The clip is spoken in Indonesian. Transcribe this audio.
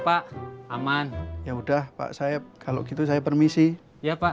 pak aman ya udah pak saeb kalau gitu saya permisi ya pak